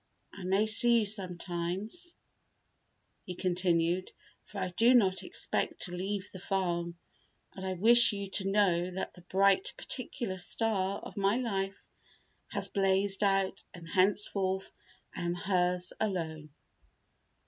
"I may see you sometimes," he continued, "for I do not expect to leave the farm, and I wish you to know that the bright particular star of my life has blazed out and henceforth I am hers alone."